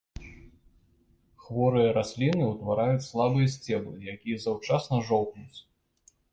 Хворыя расліны ўтвараюць слабыя сцеблы, якія заўчасна жоўкнуць.